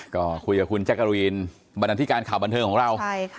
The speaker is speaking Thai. ก็คุยกับคุณแจ๊กกะรีนบรรณาธิการข่าวบันเทิงของเรา